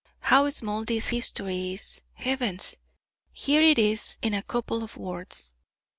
How small this history is! Heavens! here it is in a couple of words.